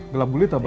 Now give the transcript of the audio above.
gelap gulita pak